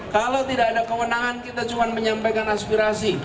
kalau tidak ada kewenangan kita cuma menyampaikan aspirasi